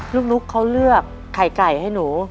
นุ๊กเขาเลือกไข่ไก่ให้หนู